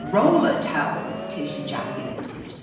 "Roller towels!" Tish ejaculated.